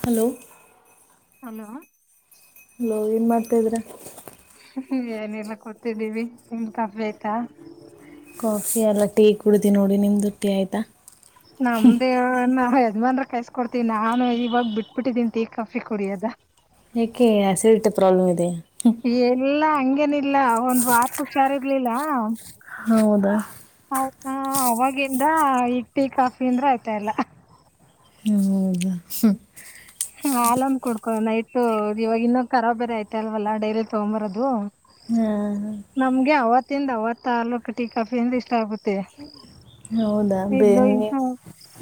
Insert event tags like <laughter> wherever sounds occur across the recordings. Hello hello hello ಏನ್ ಮಾಡ್ತಾದ್ರ ಏನೆಲ್ಲ ಕೊತಿದ್ದೀವಿ ನಿಮ್ಮ ಕಪಿ ಆಯ್ತಾ ಕಾಫಿ ಎಲ್ಲ ಟೀ ಕುಡುದ ನೋಡಿ ನಿಮ್ದು ಟ್ಟಿ ಆಯ್ತಾ ನಮ್ದೇವ ನ ಅದ್ನ್ ಕಾಯಸ್ಕೊಡ್ತೀ ನಾನು ಇವಾಗ ಬಿಟ್ಬಿಟ್ಟಿದೀ ಟೀ ಕಾಫಿ ಕುಡಿ ಅದ ಏಕೆ ಆಸಿಡಿಟಿ ಪ್ರಾಬ್ಲಮ್ ಇದೆ ಎಲ್ಲಾ ಹಂಗೇನಿಲ್ಲ ಒಂದ್ ವಾರ ಹುಷಾರ್ ಇರ್ಲಿಲ್ಲ ಹೌದಾ ಹ ಅವಾಗಿಂದ ಇಡ್ಲಿ ಕಾಫಿ ಅಂದ್ರ ಆಯ್ತಾ ಎಲ್ಲ <inaudible> ಹ ಆಲಾಮ್ ಕುಡ್ಕೊ ನೈತು ಇವಾಗ ಇನ್ನ ಖರಾ ಬೇರೆ ಐತೆ ಅಲ್ವಲ್ಲ ಡೈರಿ ತಗೊಂಬರೋದು ಹಾ ಹ ತ್ತಿಂದ ಅವತ್ತಿಂದ ಹಲೂ ಕಟಿ ಕಾಫಿಯಿಂದ ಇಷ್ಟ ಆಗ್ಬಿಟ್ಟಿದೆ ಹೌದಾ ಬ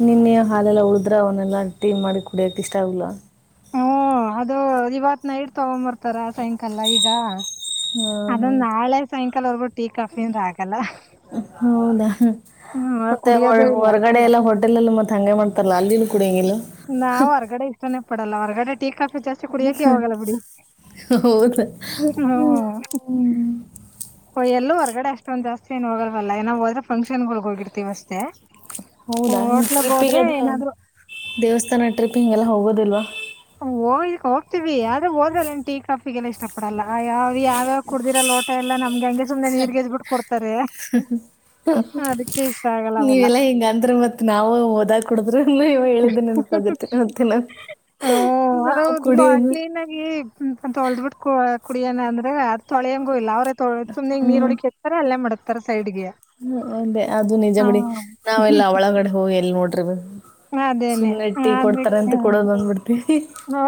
ನಿನ್ನೆಯ ಹಾಲೆಲ್ಲ ಊಳ್ದ ಅ್ರ ಅವನ್ನೆಲ್ಲಾ ಟೀ ಮಾಡಿ ಕುಡಿಯಕ್ ಇಷ್ಟ ಆಗ್ಲೂ ಹಓ ಅದು ಇವತ್ ನೈಟ್ ತಗೊಂಬರ್ತಾರ ಸಾಯಂಕಾಲ ಈಗ ಹಾಂ ಅದಂದ ಹೌದು ನಾಳೆ ಸಾಯಂಕಾಲವರೆಗೂ ಟೀ ಕಾಫಿನ್ ಆಗಲ್ಲ ಹೌದಾ ಹ್ಮ್ ಮತ್ತೆ ಕುಡಿಯೋದು ಇಲ್ಲ ಹೊರಗಡೆ ಎಲ್ಲ ಹೋಟೆಲ್ಲ್ ಮತ್ತೆ ಹಂಗೆ ಮಾಡ್ತಾರಲ್ಲ ಅಲ್ಲಿ ನಾವ್ ಹೊರ್ಗಡೆ ಇಷ್ಟಾನೇ ಪಡಲ್ಲ ಹೊರ್ಗಡೆ ಕಾಫಿ ಜಾಸ್ತಿ ಕುಡಿಯಕೆ ವಾಗಲ್ಲ ಬಿಡಿ ಹ್ಮ್ ಹ್ಮ ಕಡೆ ಅಷ್ಟೊಂದ ಜಸ್ತಿ ಏ ಹೋಗಲ್ಲ್ಲ ಏ ಹೋದ್ರೆ ಫಕ್ಷನ್ಗಳ ಹೋಗಿರ್ತತಿವಿ ಅಷ್ಟೇ ಹೌದಾ ಹೋಟ್ಲಗ್ ಟ್ರಿಪ್ಪಿಗೆ ಹೋದ್ರೆ ಅದು ಏನಾದ್ರು ದೇವಸ್ಥಾನ ಟ್ರಿಪ್ ಹಿಂಗೆಲ್ಲ ಹೋಗೋದಿಲ್ವಾ ಹ ಹೋಗ್ತೀವಿ ಹೋಗ್ತೀವಿ ಹೋದ್ರೆ ಅಲ್ಲಿ ಟೀ ಕಾಫಿಗೆಲ್ಲ ಇಷ್ಟ್ ಇಷ್ಟಪಡಲ್ಲ ಯಾವ ಯಾವ್ಯಾವ್ ಕುಡ್ದಿರ ಲೋಟ ಎಲ್ಲ ನಮ್ಗೆ ಹಂಗೆ ಸುಮ್ನೆ ನೀರ್ಗೆ ಎಡ್ಜ್ ಬಿಟ್ಟು ಕೊಡ್ತಾರೆ ಅದಕ್ಕೆ ಇಷ್ಟ ಆಗಲ್ಲ ನೀವೆಲ್ಲಾ ಅವೆಲ್ಲ ಹಿಂಗಂದ್ರ ಮತ್ ನಾವ ಹೋದ ಇ ಇವ ಹೇಳಿದ್ದನೆ ನೆನಪು ಆಗುತ್ತೆ ಮತ್ತೆನಾ ಹ ಅವರು ಕ್ಲೀನಾಗಿ ತೊಳ್ದ್ ಬಿಟ್ಟ್ ಕೂ ಕುಡಿಯನ ಅಂದ್ರೆ ಅ ತೊಳೆಂಗು ಇಲ್ಲ ಅವ್ರೇುನೆಗ್ ನೀರುಳಿ ಎಚ್ ತಾರೆ ಅಲ್ಲೆ ಮಾಡುತ್ತೆ ಹ್ಮ ಒಂದೇ ಅದು ನಿಜ ಬಿಡಿ ನಾವೆಲ್ಲ ಒಳಗಡೆ ಹೋಗಿ ಎಲ್ಲಿ ನೋಡ್ರಿ ಬಿ ಅದೇನೆ ಸುಮ್ನೆ ಟೀ ಕೊಡ್ತಾರೆ ಅಂತ ಕೊಡೋದು ಬಂದ್ಬಿಡ್ತೀವಿ ಹ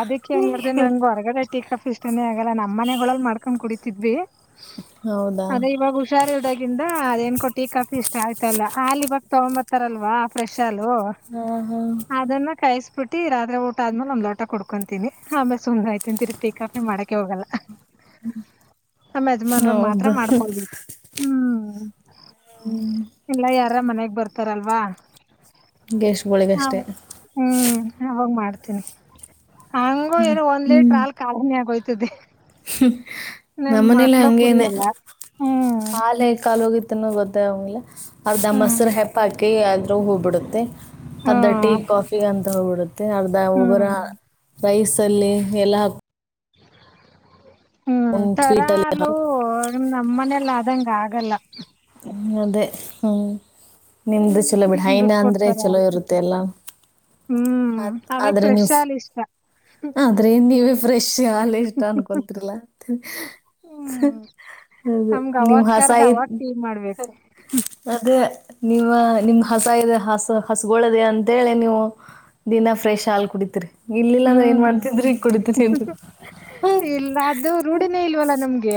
ಅದಿಕೆ ಏನ್ ಮಾಡತ ನಂಗೆ ಹೊರಗಡೆ ಟ್ಟಿ ಕಾಫಿ ಇಷ್ಟಾನೇ ಆಗಲ್ಲ ನಮ್ಮ ನಮ್ಮನೆಗಳಲ್ಲಿ ಮಾಡ್ಕೊಂಡ್ ಕುಡಿತಿದ್ವಿ ಹೌದಾ ಅದೇ ಇವಾಗ ಹುಷಾರ್ ಇಲ್ದಾಗಿಂದ ಅದೇನ್ ಕೊಟ್ಟಿ ಕಾಫಿ ಇಷ್ಟ ಆಯ್ತಲ್ಲ ಅಯಹಾಲ್ ಇವಾಗ ತೊಂಬತ್ ರಲ್ವಾ ಫ್ರೆಶ್ ಹಾಲ್ ಹಾ ಹಾ ಅದನ್ನ ಕಾಯಸ್ಬಿಟ್ಟಿ ರಾತ್ರಿ ಆದ್ಮೇಲೆ ಒಂದ್ ಲೋಟ ಕುಡ್ಕೊಂತೀನಿ ಆಮೇಲೆ ಸುಮ್ ಹಾಯ್ತೀನಿ ತಿರುಗ ಟೀ ಕಾಫಿ ಮಾಡಕೆ ಹೋಗಲ್ಲ ಆ ಯೆಜಮಾನ್ರಗ್ ಮಾತ್ರ ಹೌದು ಮಾಡ್ಕೊಳ್ಬೇಕು ಹ್ಮ್ ಇಲ್ಲ ಯಾರ ಮನೆಗ್ ಬರ್ತಾರಲ್ವಾ ಹ ಗೆಸ್ಟ್ಗಳಿಗಷ್ಟೇ ಹ್ಮ್ ಅವಾಗ ಮಾಡ್ತ ಹಂಗು ಏನು ಒಂದ್ ಲೀಟ್ರ ಹ್ಮ್ ಹಲ್ ಕಾಲಿನೆ ಆಗೋಯ್ತದೆ ನಮ್ ನಮ್ಮನೇಲಿ ಮಕ್ಳು ಹಂಗೇನೆ ಕುಡಿಯಲ್ಲ ಹ್ಮ್ ಹಾಲ್ ಹೇ ಕಾಲು ಹೋಗಿದ ಗೊತ್ತಂಗಲ್ಲ ಅದ ಹ್ಮ್ ಮೊಸರು ಹೆಪ್ಪ ಹಾಕಿ ಆದರು ಹೋಗ್ಬಿಡುತ್ತೆ ಅರ್ಧ ಟೀ ಹ್ಮ್ ಕಾಫಿಗೆ ಅಂತ ಹೋಗಿಬಿಡುತ್ತೆ ಅರ್ಧ ಹ್ಮ್ ಒಬ್ಬರ ರೈಸ್ ಅಲ್ಲಿ ಎಲ್ಲ ಹ್ಮ್ ಹಾಕೊಂಡು ತರ ಸ್ವೀಟಲ್ಲಿ ಹಾಲು ನಮ್ಮ ಮನೇಲ್ಲ ಆದಂಗ ಆಗಲ್ಲ ಅದೇ ಹ್ಮ್ ನಿಮ್ದು ಚಲೋ ಬಿಡ ಹೈನ ದುಡ್ಡು ಅಂದ್ರೆ ಕೊಡ್ತಾರ ಚಲೋ ಹಾಲು ಇರುತ್ತೆ ಎಲ್ಲ ಹ್ಮ್ ಅದ ಆಮೇಲ್ ಆದ್ರೆ ಫ್ರೆಶ್ ನೀವು ಹಾಲ್ ಇಷ್ಟ ಆದ್ರೆ ನೀವೇ ಫ್ರೆಶ್ ಹಾಲ ಇಷ್ಟ ಅನ್ಕೊಂತರ್ಲಾ ಹ್ಮ್ ಅದ ನಮ್ಗ್ ನಿಮ್ ಅವಾಗ್ ಕರ್ದ್ ಹಾಸಯ ಅವಾಗ್ ಟೀ ಮಾಡ್ಬೇಕು ಅದೆ ನೀವ ನಿಮ್ ಹಸ ಇ ಹಸ ಹಸಗಳದ ಅಂತೇಳಿ ನೀವು ದಿನ ಫ್ರೆಶ್ ಹಾಲ್ ಕುಡಿತರಿ ಇಲ್ಲಿಲ್ಲ ಅಂದ ಏನ್ ಹ್ಮ್ ಮಾಡ್ತಿದ್ರೆ ಈಗ ಕುಡಿತತಿ ಇಲ್ಲ ಅದು ರೂಢಿನೇ ಇಲ್ವಲ್ಲ ನಮ್ಗೆ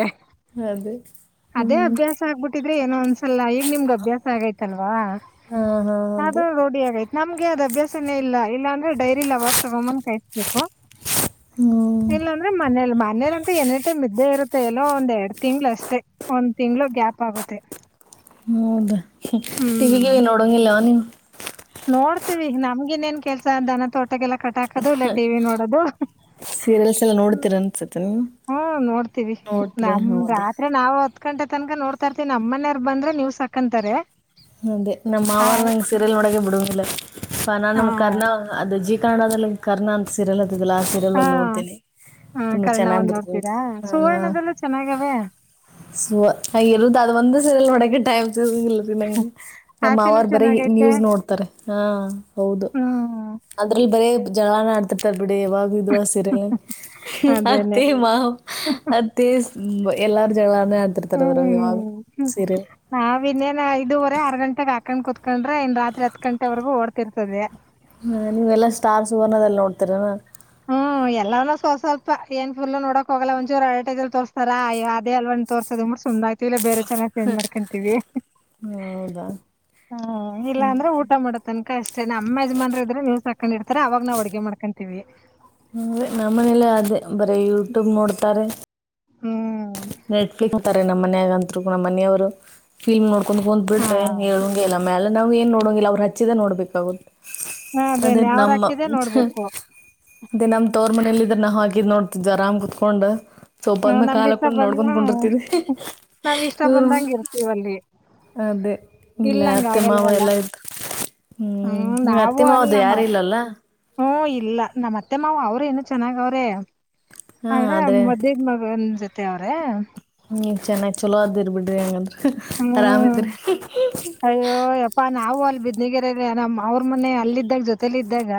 ಅದೇ ಅದೇ ಹ್ಮ್ ಅಭ್ಯಾಸ ಆಗ್ಬಿಟ್ಟಿದ್ರೆ ಏನೋ ಒಂದ್ಸಲ ಈ ನಿಮ್ಗ ಅಭ್ಯಾಸ ಆಗೈತಲ್ವಾ ಹಾ ಹಾ ಅದೇ ಅದು ರೋಡಿ ಆಗೈತ ನಮ್ಗೆ ಅದ್ ಅಭ್ಯಾಸನೇ ಇಲ್ಲ ಇಲ್ಲಾ ಅಂದ್ರೆ ಡೈರಿ ಅವಾಗ ತಗೋ ಬಂದು ಕಾಯಿಸ್ಬೇಕು ಹ್ಮ್ ಇಲ್ಲಾಂದ್ರೆ ಮನೇಲಿ ಮನೇಲಿ ಅಂತ ಎನಿ ಟೈಮ ಇದ್ದೆ ಇರುತ್ತೆ ಎಲ್ಲೋ ಒಂದ್ ಎರಡ್ ತಿಂಗ್ಳ ಅಷ್ಟೇ ಒಂದ್ ತಿಂಗ್ಳ ಗ್ಯಾಪ್ ಆಗುತ್ತೆ ಹೌದಾ ಟಿವಿಗೆ ಹ್ಮ್ ನೋಡಂಗಿಲ್ಲ ನೀವು ನೋಡ್ತೀವಿ ನಮ್ಗ ಇನ್ನೇನ್ ಕೆಲ್ಸ ದನ ತೋಟಕ್ಕೆಲ್ಲ ಕಟಾಕದು ಇಲ್ಲ ಟಿವಿ ನೋಡೋದು ಸೀರಿಯಲ್ಸ್ ಎಲ್ಲ ಹ್ಮ ನೋಡ್ತೀರ ಅನ್ಸತ್ತೆ ನೀವು ಹ್ಮ ನೋಡ್ತೀವಿ ನೋಡ್ತೀರಿ ನಮ ಹೌದಾ ರಾತ್ರಿ ನಾವು ಹತ್ತ್ ಗಂಟೆ ತನಕ ನೋಡ್ತಾ ಇತನಿ ನಮ್ಮನೆಯವರು ಬಂದ್ರೆ ನ್ಯೂಸಾಕಂತಾರೆ ಅದೇ ನಮ್ಮ್ ಮಾವಾರಂಗ ಸೀರಿಯಲ್ ಮಾಡೋಡಕ ಬಿಡುವುದಿಲ್ಲ ನ ಆ ನಮ ಕರ್ಣ ಜೀ ಕನ್ನಡದಲ್ಲಿ ಕರ್ನಾ ಅಂತ ಸೀರಿಯಲ್ತ್ತಿದಿಲ್ಲಲ್ಲ ಆ ಸೀರಿಯಲ್ ಒಂದು ಆ ನೋಡ್ತೀನಿ ಹಾ ತುಂಬಾ ಕರ್ಣ ಚೆನ್ನಾಗ್ ಒಂದ್ ಬತ್ತದ್ ನೋಡ್ತೀರಾ <unintelligible> ಅದ್ ಸುವರ್ಣದಲ್ಲೂ ಚೆನ್ನಾಗವೆ ಅ ಸರುದು <unintelligible> ಅದು ಒಂದು ಸಿರಿಯಲ್ <unintelligible> ಟೈಮ ಸಿಲ್ಲಿನಂ <unintelligible> ನನಗೆ ಆಚೆನೂ ನಮ್ಮವಾರ್ ಬರೀ ಚೆನ್ನಾಗೈತೆ ನ್ಯೂಸ್ ನೋಡ್ತಾರೆ ಹಾ ಹೌದು ಹ್ಮ್ ಅದ್ರಲ್ಲಿ ಬರೇ ಜಗಳನೆ ಆಡ್ತಿರ್ತಾರೆ ಬಿಡ <unintelligible> ವ <unintelligible> ವಿದುವಾಾಸರೆಲ್ಲ <unintelligible> ಅದೇನೆ ಅತ್ತೇ ಮಾ ಅತ್ತೇ ಎಲ್ಲಾರು ಜಗಳಾರನೇ ಆಡ್ತಿರ್ತಾರೆ ಅದ್ರ ಇವಾಗ ಹ್ಮ್ ಸೀರಿಯಲ್ ನಾವ್ ಇನ್ನೇನ ಐದೂವರೆ ಆರ್ ಗಂಟೆಗೆ ಹಾಕೊಂಡ ಕ ಕುತ್ಕೊಂಡ್ರೆ ಇನ್ ರಾತ್ರಿ ಹತ್ ಗಂಟೆರೆಗ ಓಡ್ತಿರ್ತದೆ ಹಾ ನೀವೆಲ್ಲಾ ಸ್ಟಾರ್ಸ್ ಸುವರ್ಣ ದಲ್ಲಿ ನೋಡ್ತೀರನಾ ಹ್ಮ ಎಲ್ಲೂ ಸ್ವಲ್ಪ ಏನ್ ಫುಲ್ ನೋಡೋಕ್ ಹೋಗಲ್ಲ ಒಂಚೂರು ಅಡರ್ಟೈಲ್ಲಿ ತೋರ್ಸ್ತಾರಾ ಅ ಅಲ್ವ ತೋಸೋದ ಅದ್ ಬಟ್ಟ್ ಸುಮ್ ಆಯ್ತಿ ಇಲ್ಲ ಬೇರೆ ಚೆನ್ನಾಲ್ ಚೆಜ್ ಮಾಡ್ಕೊಂತೀವಿ <unintelligible> ಹ ಇಲ್ಲಾಂದ್ರೆ ಊಟ ಮಾಡತ್ತನಕ ಅಷ್ಟೇ ನಮ್ಮ ಯಜಮಾನ್ರ ಇದ್ರೆ ನೀವ್ಸ್ ಹಾಕದ್ ಇತಾರೆ ಅವಾಗ ನಾ್ ಅಡ್ಗೆ ಮಾಡ್ಕಂತ ತಿವಿ ಹ್ಮೆ ನಮ್ಮ ಮನೇಲ್ಲ ಅದೇ ಬರೀ ಯೂಟ್ಯೂಬ್ ನೋಡ್ತಾರೆ ಹ್ಮ್ ನೆಟ್ಫ್ಲಿಕ್ಸ್ ನಮ್ಮ ಮನಯಾಗಂತರು ನಮ್ಮ ಮನೆಯವರು ಫಿಲ್ಮ್ ನೋಡ್ಕೊಂಡ್ ಹ ಹೊ್ ಹಾ ಬಿಟ್ರ ಹೇಳಂಗಗೆಲ್ಲ ಮ್ಯಾಲ ನಾ್ ಏನ್ ನೋಡಂಗಿಲ್ಲ ಅವ್ರು ಹಚ್ಚಿದ ನೋಡ್ಬೇಕಾಗುತ್ತೆ ಅದೇ ಅದೇನೆ ಅವ್ರ್ ನಮ್ಮ ಹಾಕಿದ್ದೆ ನೋಡ್ಬೇಕು ಅದೇ ನಮ ತೋರ್ ಮನೇಲಿ ಇದ್ರನ್ನ ಹಾಕಿದ್ ನೋಡ್ ಅರಾಮ್ ಕುೂತ್ಕೊಂಡ್ ಸೋಫಾ ದ್ಮೇಲೆ ಕಾಲಕ್ ಬಂದ ನಾವ್ ಇಷ್ಟ ಇವರು ಬಂದಂಗ ಇರ್ತೀವ ಅಲ್ಲಿ ಅದೇ ಇಲ್ಲ ಇಲ್ ಹಂಗ್ ಅತ್ತೆ ಮಾವ ಆಗಲ್ವಲ್ಲ ಎಲ್ಲ ಇಯ್ತು ಹ್ಮ್ ನೀ ಅತ್ತಿ ಮಾವ್ ಹದು ಯಾರ ಇಲ್ಲಲ್ಲ ಹ್ಮ ಇಲ್ಲ ನಮ್ಮ ಮತ್ತೆ ಮಾವ ಅವ್ರ ಏನು ಚೆನ್ನಾಗ ಅವ್ರೆ ಆದ್ರೆ ಮದೇದ್ ಮಗನ್ ಜೊತೆ ಅವ್ರೆ ನೀ ಚೆನ್ನಾಗ್ ಚಲೋ ಅದಿರ್ ಬಿಡ್ರಿ ಹಂಗಂದ್ರೂ ಆರಾಮ ಹ್ಮ್ ಹೆತ್ರ ಬಿದ್ನಗರೆಾಗ ನಮ್ ಅವ್ರ ಮನೆ ಅಲ್ಲಿದ್ದಾಗ ಜೊತೇಲಿ ಇದ್ದಾಗ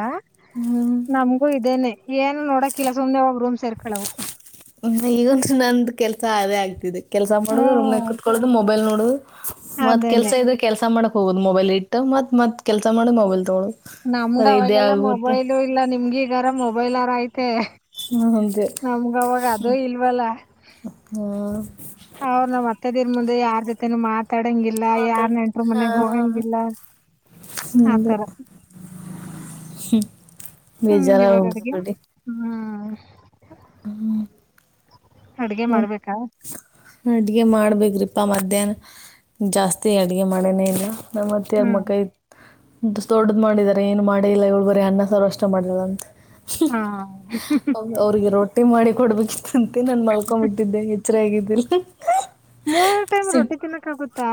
ಹ್ಮ್ ನಮಗೂ ಇದೇನೆ ಏನು ನೋಡಕಲ್ಲ ಸುಮನೆ ಹೋಗ್ ರೂಮ್ ಸೇರ್ಕಳವ ಹ್ಮ ಈಗ ಒಂದು ನಂದು ಕೆಲ್ಸ ಆದೇ ಆಗ್ತಿದೆ ಕೆಲ್ಸ ಮಾಡುದು ಹ್ಮ್ ರುಮಕುತ್ಕೊಳ್ಳುದು ಮೊಬೈಲ್ ನೋಡುದು ಮತ್ ಕೆಲ್ಸ ಅದೇನೆ ಇದ್ರೆ ಕೆಲ್ಸ ಮಾಡಕ್ ಹೋಗುದು ಮೊಬೈಲ್ ಇಟ್ಟ ಮತ್ ಮತ್ ಕೆಲ್ಸ ಮಾಡಿ ಮೊಬೈಲ್ ತೊಗಳು ನಮ್ಗ ಅವಾಗೆಲ್ಲ ಮೊಬೈಲು ಇಲ್ಲ ನಿಮಗ ಈಗಾರ ಮೊಬೈಲ್ರ ಐತೆ ಹ್ಮ್ ಹಂಗೆ ನಮಗವಾಗ ಅದೂ ಇಲ್ವಲ್ಲ ಹಾ ಅವ್ರ ನಮ್ ಅತ್ತೆದಿರ್ ಮುಂದೆ ಯಾರ ಜೊತೆ ಮಾ ತಡಂಗಿಲ್ಲ ಯಾರ್ ಮಾತಾಡ್ ನಂಟರು ಹಾ ಮನೆಗ್ ಹೋಗಂಗಿಲ್ಲ ಆತರ <inaudible> ಹ್ಮ್ ಬೇಜಾರ ಇವಾಗ್ ಉದು ಅಡ್ಗೆ ಬಿಡಿ ಹ್ಮ್ ಹ್ಮ್ ಅಡ್ಗೆ ಮಾಡ್ಬೇಕಾ ಅಡುಗೆ ಮಾಡಬೇಕು್ರಿಪ್ಪ ಮಧ್ಯಾಹ್ನ ಜಾಸ್ತಿ ಅಡುಗೆ ಮಾಡೋನೇ ಇಲ್ಲ ನಮ್ಮತ್ತ ಹ್ಮ್ ಮಕೈ ದೊಡದು ಮಾಡಿದಿದ್ದಾರೆ ಏನು ಮಾಡೇ ಇಲ್ಲ ಇಳ್ ಬರಿ ಅನ್ನ ಸಾವರು ಅಷ್ಟ ಮಾಡಲ್ಲ ಅಂತ ಹಾ ಅವ್ರಿಗೆ ರೋಟ್ಟಿ ಮಾಡಿ ಕೊಡ್ಬೇಕಿತ್ತಂತ ನನ್ ಮಲ್ ಮೋಕೊ್ಂಬಿಟ್ಟಿದ್ದೆ ಎಚ್ಚರ ಆಗಿದ್ದೀಿಲ್ಲ ಮೂರ್ ಟೈಮ್ ರೊಟ್ಟಿ ತಿನ್ನಕ್ ಆಗುತ್ತಾ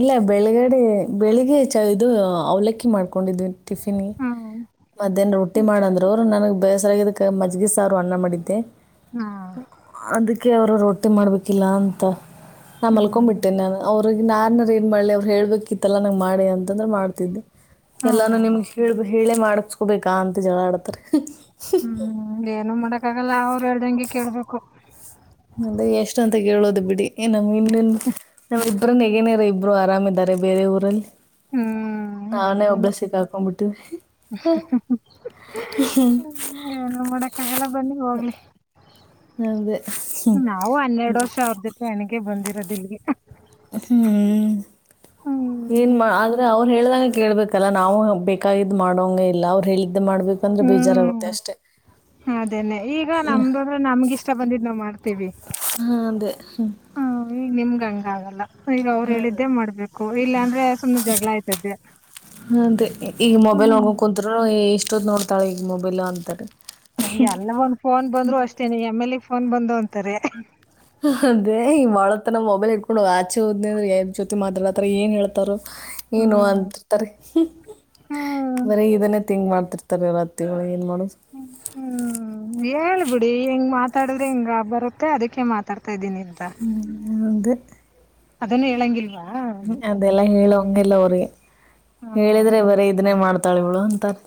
ಇಲ್ಲ ಬೆಳಗಡೆ ಬೆಳಿಗ್ಗೆ ಚಿ ಅವಲಕ್ಕಿ ಮಾಡ್ಕೊಂಡಿದ್ನ್ ಟಿಫಿನ್ಿ ಹ್ಮ್ ಮಧೇನ್ ರೊಟ್ಟಿ ಮಾಡಂದ್ರ ನನ ಬೇಸರಾಗಕ್ಕೆ ಮಜ್ಗಿ ಸಾರು ಅನ್ನ ಮಾಡಿದ್ದೆ ಹಾ ಅದಕ್ಕೆ ಅವರು ರೊಟ್ಟಿ ಮಾಡ್ಬೇಕಿಲ್ಲ ಅಂತ ನಮ್ಮ ಹ್ಮ್ ಮಲ್ಕೊಂಡ್ಬಿಟ್ಟೆನೆ ನಾನು ಅವ ಅವ್ರಿಗೆ ನಾರ್ನ ಏ ಮಾಡ್ಲಿ ಅವ್ರು ಹೇಳ್ಬೇಕಕ್ಿತ್ತಲ್ಲ ನಂಗ ಮಾಡಿ ಅಂತಂದ್ರೆ ಮಾಡ್ತಿದಿದ್ದೆ ಎಲ್ಲಾನು ಹ್ಮ್ ನಿಮ್ ಹೇಳ್ ಹೇಳೇ ಮಾಡಸ್ಕೊಬೇಕಾ ಅಂತ ಜಗಾ ಳ ಆಡ್ತರಿ ಹ್ಮ್ ಏನು ಮಾಡಕ್ಕ ಆಗಲ್ಲ ಅವ್ರು ಹೇಳ್ದಂಗೆ ಕೆಲಸ ಕೇಳ್ಬೇಕು ಅದೆ ಎಷ್ಟ ಅಂತ ಕೇಳೋದು ಬಿಡಿ ನಮ್ ಇನ್ನನ್ ನಾವ್ ಇಬ್್ರನ್ನ ಹೇಗನೇಾರ ಇ ಇಬ್ರು ಆರಾಮ್ ಇದಾರೆ ಬೇರೆ ಊರಲ್ಲಿ ಹ್ಮ್ ಹ್ಮ್ಮ್ ನಾವೇ ಒಬ್ಬ ಹೆಂಗೇನೇ ಸಿಕ್ಕಾಕೊಂಡ್ಬಿಟ್ಟಿದ್ವಿ <unintelligible> ಏನು ಮಾಡಕ್ಕ ಆಾಗಲ್ಲ ಬಂದಿ ಹೋಗ್ಲಿ ಅದೇ ನಾವು ಹನ್ನೆರಡು ವರ್ಷ ಅವ್ರ ಜೊತೆ ಎಣಗೆ ಬಂದಿರೋದಿಲ್ಲಿಗೆ ಹ್ಮ್ ಏನ್ ಹ್ಮ್ ಆದ್ರೆ ಅವ ರು ಹೇಳ್ದಂಗ ಕೇಳಳ್ಬೇಕಲ್ಲ ನಾವು ಬೇಕಾಗಿದ್ದ್ ಮಾಡೋಂಗ ಇಲ್ಲ ಅವ್ರು ಹೇಳ ಇದು ಮಾಡ್ಬೇಕಂದ್ರೆ ಹ್ಮ್ ಬೇಜಾರಾಗುತ್ತೆ ಅಷ್ಟೇ ಅದೇನೆ ಈಗ ನಮ್ದುಂದ್ರೆ ನಮ್ಗ ಇಷ್ಟ ಬಂದಿದ್ ನಾವ್ ಮಾಡ್ತೇವಿ ಹ್ಮ ನಿಮ್ಗ ಹಂಗ ಆಗಲ್ಲ ಈಗ ಅವ್ರು ಹೇಳಿದ್ದೇ ಮಾಡ್ಬೇಕು ಇಲ್ಲಾಂದ್ರೆ ಸುಮಮ್ಮನೆ ಜಗಳ ಆಯ್ತದ್ದೆ ಅದೆ ಈಗ ಮೊಬೈಲ್ ನೋಡ್ಕೊಂಡ ಕುತ್ರರು ಎಷ್ಟೊತ್ ನೋಡ್ತಾಳೆ ಈಗ ಮೊಬೈಲ್ ಅಂತಾರೆ ಅರಿ ಎಲ್ಲ ಒಂದ್ ಫೋನ್ ಬಂದ್ರು ಅಷ್ಟೇನೆ ಎಮ್ಮೇಲಿಗ್ ಫೋನ್ ಬಂದ ಅದೇ ಈ ಮಾಡಾಳ ಮತ್ತ ನ್ ಮೊಬೈಲ್ ಇಟ್ಕೊಂಡು ಆಚ ಹೋದನ್ರ ಜೊತೆ ಮಾತಾಡತಾರ ಏನ್ ಹೇಳ್ತಾರೆ ಏನು ಹ್ಮ್ ಅಂತತಾರೆ ಹ್ಮ್ ಬರೀ ಇದನ್ನೇ ತಿಂಗ್ ಮಾಡ್ತ ಇ ತರ ಇವತ್ತು ಹ್ಮ ಹ್ಮ್ ಹೇಳ್ಬಿಡಿ ಹೆಂಗ್ ಮಾತಾಡಿದ್ರೆ ಹಿಂಗ ಬರುತ್ತೆ ಅದಕ್ಕೆ ಮಾತಾಡ್ತ ನಿ ಅಂತ ಹ್ಮ್, ಅದನ್ನು ಹೇಳಂಗಿಲ್ವಾ ್ಮ ಅದೆಲ್ಲಾ ಹೇಳಂಗಿಲ್ಲ ಅವ್ರಿಗೆ ಹೇಳಿದ್ರೆ ಹ್ಮ್ ಬರೀ ಇದನ್ನೇ ಮಾಡ್ತ ತಳಿಳು ಅಂತಾರೆ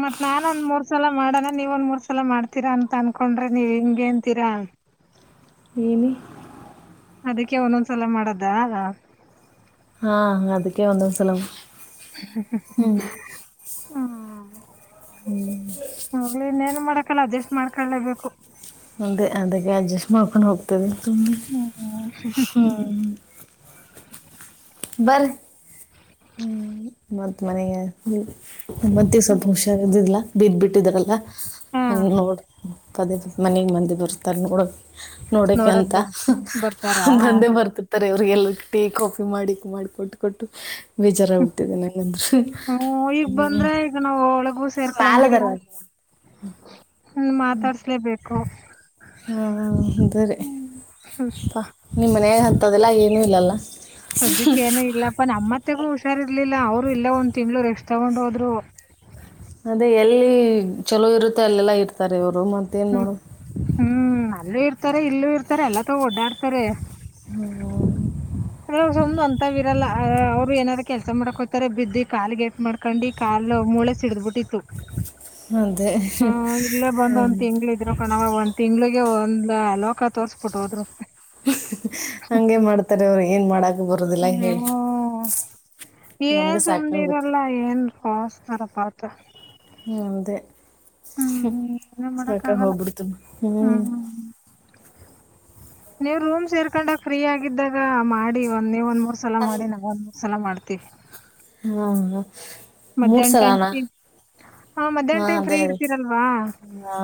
ಮತ್ ನಾನೊಂದ್ ಮೂರ್ ಸಲ ಮಾಡಣ ನೀವ ಒಂದ್ ಮೂರ್ ಸಲ ಮಾಡ್ತೀರಾ ಅಂತ ಅನ್ಕೊಂಡ್ರೆ ನೀವ್ ಹಿಂಗೇನ್ಂತೀರಾ ಹ <unintelligible> ಏನು ಅದಕ್ಕೆ ಒಂದೊಂದ್ಸಲ ಮಾಡದಾ ಹಾ ಅದಕ್ಕೆೇ ಒಂದ ಸಲ ಹ್ಮ <unintelligible> ಹ್ಮ್ ಲ್ಲ ಅಡ್ಜಸ್ಟ್ ಮಾಡ್ಕೊಳ್ಳೇಬೇಕು ಅದೇ ಅದಕ್ಕೆ ಅಡ್ಜಸ್ಟ್ ಮಾಡ್ಕೊಂಡು ಹೋಗ್ತದೆ ಹ್ಮ್ ಹ್ಮ್ ಬರ ಹ್ಮ್ ಮತ್ತ್ ಮನೆಗೆ ಮತ್ತಿಗೆ ಸ್ವಲ್ಪ ಹುಷಾರ್ದಿದಲಾ ಬಿದ್ದ ಬಿಿಟ್ಟಿದ್ರಲ್ಲ ಹ್ಮ್ ಹಂಗೆ ನೋಡ ಪದೇ ಮನೆಗೆ ಮಂದಿ ಬರ್ಸ್ತಾರೆ ನೋಡ ನೋಡಕ ನೋಡಕ್ ಅಂತ ಬ ಬರ್ತಾರಾ ಬಂದೆ ಬರ್ತಿತ್ತ ವ್ರರಿಗೆಲ್ಲ ಟೀ ಕಾಫಿ ಮಾಡಿ ಮಾಡಿ ಕೊಟ್ಟು ಕೊಟ್ಟು ಬೇಜಾರ ಹಡ್ತಿದೆ ಹ್ಮ್ ಈಗ ನಂಗಂದೂನ್ನು ಬಂದ್ರೆ ಈಗ ನಾವ್ ಒಳಗೂ ಮಾಲ ಸೇರ್ಕೊಳಂಗಿಲ್ಲ ದರವಾಗಿ <inaudible> ಹ್ಮ ಮಾತಾಡ್ಸ್ಲೇಬೇಕು ಹಾದ್ರ <unintelligible> ಅಾ ನಿಮ ಮನಾಗ ಅಂತದೆಲ್ಲ ಏನು ಇಲ್ಲಲ್ಲ ಸದ್ಯಕ್ಕೆ ಏನು ಇಲ್ಲಪ್ಪ ನಮ್ಮತ್ತೆಗೂ ಹುಷಾರ್ ಇರ್ಲಿಲ್ಲ ಇಲ್ಲ ಅವರು ಇಲ್ಲೆ ಒಂದು ತಿಂಗಳು ರೆಸ್ಟ್ ತಗೊಂಡ ಹೋದ್ರು ಅದೇ ಎಲ್ಲಿ ಚಲೋ ಇರುತ್ತೆ ಅಲ್ಲೆಲ್ಲಾ ಇರ್ತಾರೆ ಇವರು ಮತ್ತೇನು ಹ್ಮ್ ಮಾಡೋದು ಹ್ಮ್ ಅಲ್ಲೂ ಇರ್ತಾರೆ ಇಲ್ಲೂ ಇರ್ತಾರೆ ಎಲ್ಲ ತ ಓಡ್ಡಾಡ್ತಾರೆ ಹ ಅ ಸುಮ್ ಒಂದತಾವ ಇರಲ್ಲ ಅವ್ರು ಏನಾದಾರು ಕೆಲಸ ಮಾಡಕ್ ಹೋತಾರೆ ಬಿದ್ದು ಕಾಲು ಗೇಟ್ ಮಾಡ್ಕೊಂಡಿ ಅಲ್ಲೋ ಮೂಳೆ ಸಿಡಿದಬಿಟ್ಟಿತ್ತು ಅದೇ ಹ್ಮ ಇಲ್ಲೇ ಬಂದ್ ಒಂದ್ ತಿಂಗ್ಳ ಇದ್ರು ಕಣವ ಒಂದ್ ತಿಂಗಳಗೆ ಒಂದ ಲೋಕ ತೋರ್ಸ್ಬಿಟ್ಟು ಹೋದ್ರು ಹಂಗೆ ಮಾಡ್ತಾರೆ ಅವರು ಏನ್ ಮಾಡಾಕ ಬರದಿಲ್ಲ ಹೇಳಿ ಹ್ಮ್ ನಮ್ಗೆ ಏನ್ ಸಾಕಾಗುತ್ತೆ ಸುಮನಿರಲ್ಲ ಏನ್ ವಸ್ತರಪಾತ ಹ್ಮ್ ಅದೇ ಏನ್ ಮಾಡಕ್ ಸಾಕ ಆಗಲ್ಲ ಹೋಗ್ಬಿಡ್ತ ಹ್ಮ್ ನೀವ್ ರೂಮ್ ಸೇರ್ಕೊಂಡಾಗ ಫ್ರೀ ಆಗಿದ್ದಾಗ ಮಾಡಿ ಒಂದ ನೀವ ಒಂದ್ ಮೂರ್ ಸಲ ಮಾಡಿ ನಾವ ಒಂದ್ ಮೂರ್ ಸಲ ಮಾಡ್ತೀವಿ ತ್ತಿವಿ ಹ್ಮ ಮಧ್ಯಾಹ್ನ ಟೈಮ್ ತಿಂ ಹಾ ಮಧ್ಯಾಹ್ನ ಟೈಮ್ ಅದೇ ಫ್ರೀ ಅದೇ ಇರ್ತೀರಲ್ವಾ ಹಾ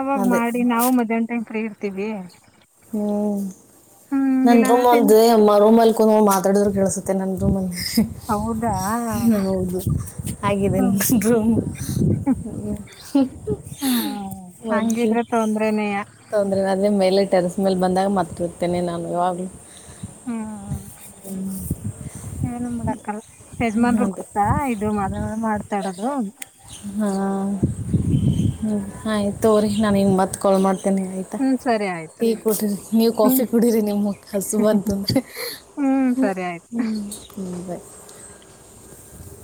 ಅವಾಗ್ ಅದೇ ಮಾಡಿ ನಾವು ಮಧ್ಯಾಹನ ಟೈಮ್ ಫ್ರೀ ಇರ್ತೀವಿ ಹ್ಮ್ ಹ್ಮ್ ನಂದ ಇಲ್ಲಾಂದ್ರೆ ರೂಮ್ ತಿನ್ ಒಂದ ಅಮ್ಮ ರೂಮ್ ಅಲ್ ನಾವು ಮಾತಾಡಿದ್ರರು ಕೆೇಳಸುತ್ತೆ ನನ್ನಂದ ಹೌದಾ ರೂಮಲ್ಲಿ ಹೌದು ಹಾಗಿದೆ ಹ್ಮ್ ನಿಮ್ದು ಹ್ಮ ಹ್ಮ್ ಮತ್ತೆ ಹಂಗಿದ್ರೆ ತೊಂದ್ರೆನೆಯ ತೊಂದ್ರೆ ಅದೇ ಮೇಲೆ ಟೆರೆಸ್ ಮೇಲೆ ಬಂದಾಗ ಮತ್ತಿ ಇರ್ತೇನೆ ನಾನು ಯಾವಾಗಲೂ ಹ್ಮ್ ಏನು ಮಾಡಕಲ್ಲ ಯಜಮಾನ್ರುಗ ಅದೇ ಗೊತ್ತಾ ಇದು ಮ ಮಾಡ್ತಾ ಇರೋದು ಹ್ಮ ಹ ಆಯ್ತ ತೋರಿ ನಾನ ಹಿಂಗ ಮತ್ ಕಾಲ್ ಮಾಡ್ತಿ ತಿನ್ನಿ ಆಯ್ತಾ ಹ್ಮ್ ಸರಿ ಆಯ್ತು ಟೀ ಕುಡ್ರಿ ನೀವ್ ಹ್ಮ್ ಕಾಫಿ ಕುಡರಿ ನಿಮ್ಕ ಹಸು ಬಂತಂದ್ರಿ ಹ್ಮ್ ಹ್ಮ ಸರಿ ಆಯ್ತು. ಹ್ಮ್ ಹ ಬಾಯ <inaudible>